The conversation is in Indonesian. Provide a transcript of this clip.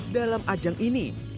dalam ajang ini